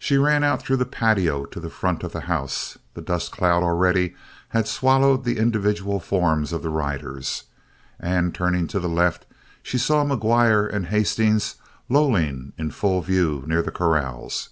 She ran out through the patio and to the front of the house. The dust cloud already had swallowed the individual forms of the riders. And turning to the left, she saw McGuire and Hastings lolling in full view near the corrals.